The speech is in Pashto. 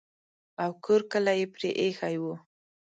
او کور کلی یې پرې ایښی وو.